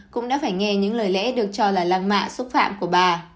cũng đã phải nghe những lời lẽ được cho là lăng mạ xúc phạm của bà